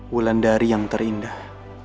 wulan dari yang terindah